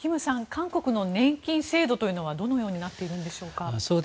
韓国の年金制度はどのようになっているんでしょうか？